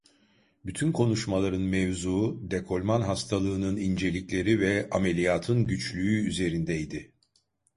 Bütün konuşmaların mevzuu dekolman hastalığının incelikleri ve ameliyatın güçlüğü üzerindeydi.